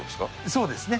そうですね。